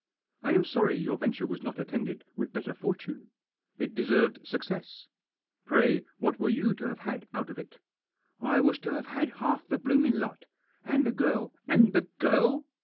I am sorry your venture was not attended with better fortune. It deserved success. Pray what were you to have had out of it ?"" I was to have had half the blooming lot And the girl " "And the girl!